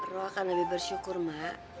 roh akan lebih bersyukur mbak